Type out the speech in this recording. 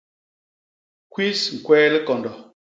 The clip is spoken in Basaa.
Kwis ñkwee likondo.